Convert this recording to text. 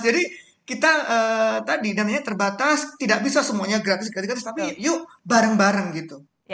jadi kita tadi namanya terbatas tidak bisa semuanya gratis gratis tapi yuk bareng bareng gitu